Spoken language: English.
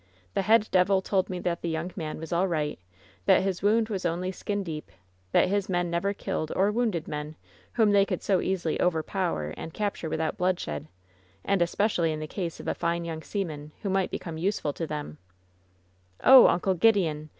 The head devil told me that the young man was all right; that his wound was only skin deep; that his men never killed or wounded men whom they could so easily overpower and capture without bloodshed; and especially in the case of a fine young seaman who might become useful to them/' "Oh, Uncle Gideon